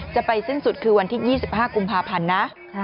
จะไปสิ้นสุดคือวันที่๒๕กุมภาพันธ์นะ